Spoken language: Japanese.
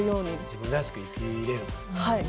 自分らしく生きれる。